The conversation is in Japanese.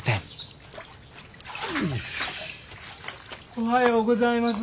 おはようございます。